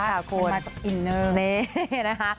เห็นมาจากอินเนอร์นี่นะคะ